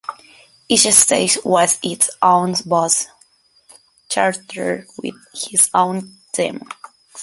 Each stage has its own boss character with his own theme.